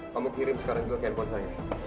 kamu kirim sekarang juga handphone saya